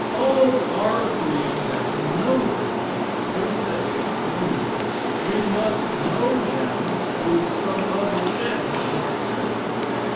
All are agreed that to know things per se noumena we must know them through some other channel then experience.